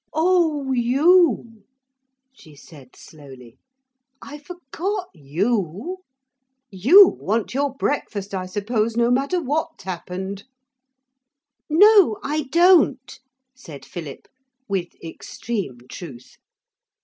'Oh, you!' she said slowly. 'I forgot you. You want your breakfast, I suppose, no matter what's happened?' 'No, I don't,' said Philip, with extreme truth.